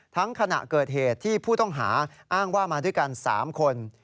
ขณะเกิดเหตุที่ผู้ต้องหาอ้างว่ามาด้วยกัน๓คน